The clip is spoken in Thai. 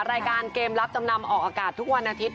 รายการเกมรับจำนำออกอากาศทุกวันอาทิตย